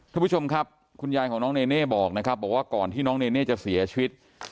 ทุกผู้ชมครับคุณยายของน้องเนเน่บอกนะครับบอกว่าก่อนที่น้องเนเน่จะเสียชีวิต